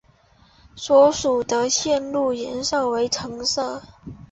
所属的线路颜色为橙色。